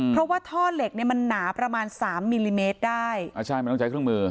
เพราะว่าท่อเหล็กเนี้ยมันหนาประมาณสามมิลลิเมตรได้อ่าใช่มันต้องใช้เครื่องมือ